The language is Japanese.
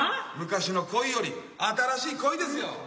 昔の恋より新しい恋ですよ。